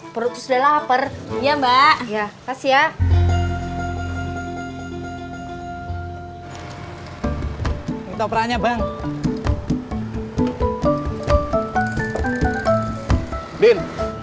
perutku sudah lapar